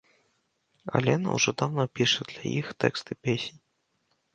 Алена ўжо даўно піша для іх тэксты песень.